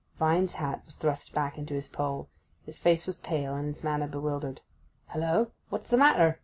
Vine's hat was thrust back into his poll. His face was pale, and his manner bewildered. 'Hullo? what's the matter?